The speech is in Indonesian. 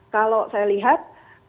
kalau saya lihat